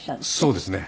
そうですね。